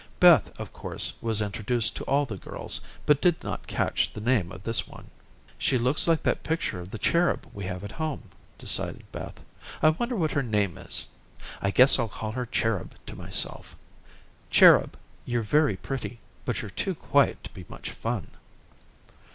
Beth, of course, was introduced to all the girls, but did not catch the name of this one. "She looks like that picture of the cherub we have at home," decided Beth. "I wonder what her name is. I guess I'll call her 'Cherub' to myself. Cherub, you're very pretty, but you're too quiet to be much fun."